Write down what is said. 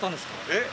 えっ？